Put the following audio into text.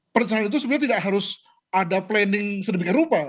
perencanaan itu sebenarnya tidak harus ada planning sedemikian rupa